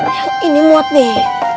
yang ini muat nih